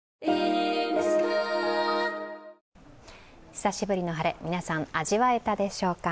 久しぶりの晴れ、皆さん味わえたでしょうか。